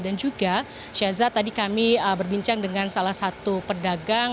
dan juga syaza tadi kami berbincang dengan salah satu pedagang